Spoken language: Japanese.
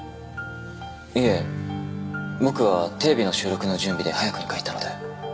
いえ僕はテレビの収録の準備で早くに帰ったので。